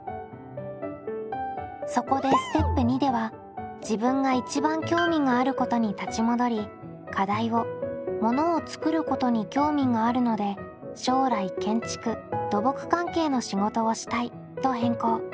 そこでステップ②では自分が一番興味があることに立ち戻り課題を「ものを作ることに興味があるので将来建築・土木関係の仕事をしたい」と変更。